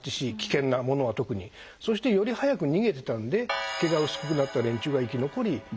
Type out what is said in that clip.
そしてより早く逃げてたんで毛が薄くなった連中が生き残り